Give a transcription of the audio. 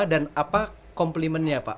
dan apa komplimennya pak